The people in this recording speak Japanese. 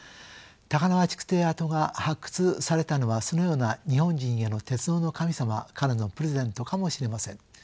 高輪築堤跡が発掘されたのはそのような日本人への鉄道の神様からのプレゼントかもしれません。